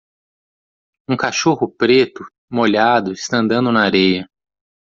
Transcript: Um cachorro preto molhado está andando na areia.